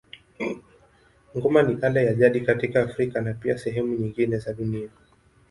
Ngoma ni ala ya jadi katika Afrika na pia sehemu nyingine za dunia.